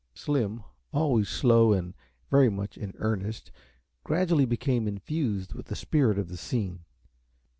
Slim, always slow and very much in earnest, gradually became infused with the spirit of the scene.